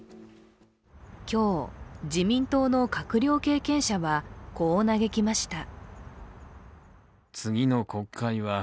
今日、自民党の閣僚経験者はこう嘆きました。